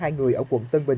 và chín người ở quận tân bình